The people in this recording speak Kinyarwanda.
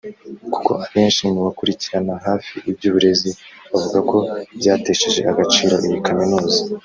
kuko abenshi mu bakurikiranira hafi iby’uburezi bavuga ko byatesheje agaciro iyi Kaminuza